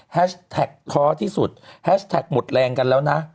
แท็กท้อที่สุดแฮชแท็กหมดแรงกันแล้วนะ